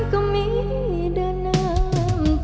สวัสดีครับ